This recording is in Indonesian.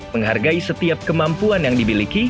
menghargai setiap kemampuan yang dimiliki